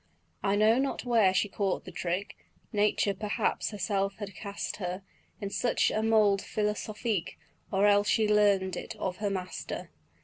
I know not where she caught the trick Nature perhaps herself had cast her In such a mould philosophique, Or else she learn'd it of her master.